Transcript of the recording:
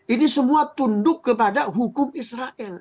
ini semua tunduk kepada hukum israel